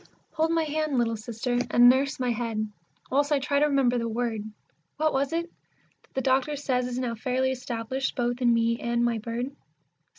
Hold my hand, little Sister, and nurse my head, whilst I try to remember the word, What was it? that the doctor says is now fairly established both in me and my bird.